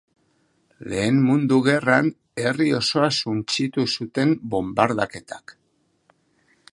Lehen Mundu Gerran, herri osoa suntsitu zuten bonbardaketak.